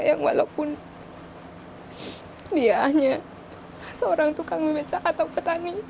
yang walaupun dia hanya seorang tukang becak atau petani